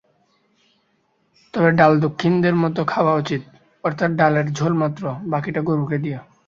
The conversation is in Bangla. তবে ডাল দক্ষিণীদের মত খাওয়া উচিত, অর্থাৎ ডালের ঝোলমাত্র, বাকীটা গরুকে দিও।